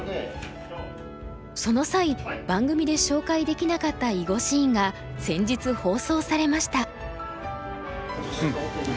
その際番組で紹介できなかった囲碁シーンが先日放送されました。